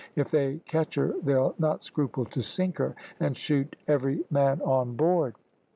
If they catch her they'll not scruple to sink her, and shoot every man on board."